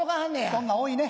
そんなん多いね。